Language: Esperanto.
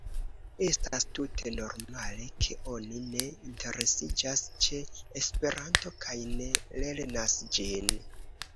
Estas tute normale, ke oni ne interesiĝas ĉe Esperanto kaj ne lernas ĝin.